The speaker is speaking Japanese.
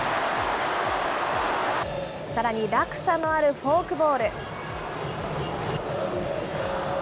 さらに落差のあるフォークボール。